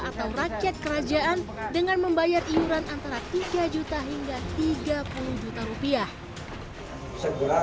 atau rakyat kerajaan dengan membayar iuran antara tiga juta hingga tiga puluh juta rupiah